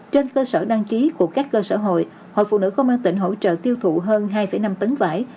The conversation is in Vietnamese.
trên cơ sở đăng ký của các cơ sở hội hội phụ nữ công an tỉnh hỗ trợ tiêu thụ hơn hai năm tấn vải